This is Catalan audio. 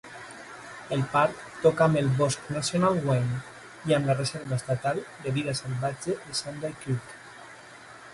El parc toca amb el Bosc Nacional Wayne i amb la Reserva Estatal de Vida Salvatge de Sunday Creek.